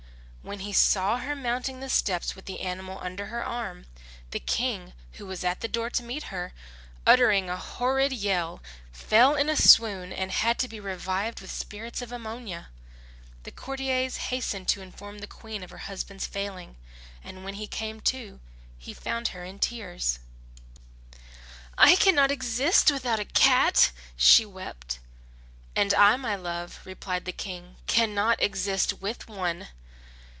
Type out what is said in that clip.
When he saw her mounting the steps with the animal under her arm, the King, who was at the door to meet her, uttering a horrid yell, fell in a swoon and had to be revived with spirits of ammonia. The courtiers hastened to inform the Queen of her husband's failing, and when he came to, he found her in tears. "I cannot exist without a cat!" she wept. "And I, my love," replied the King, "cannot exist with one!"